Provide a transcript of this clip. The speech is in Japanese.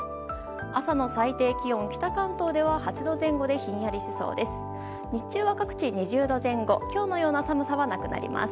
朝の最低気温、北関東では８度前後でひんやりしそうです。